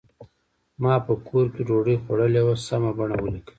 ما په کور کې ډوډۍ خوړلې وه سمه بڼه ولیکئ.